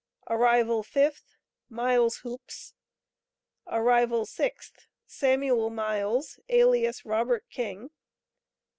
Arrival 5th. Miles Hoopes. Arrival 6th. Samuel Miles, alias Robert King.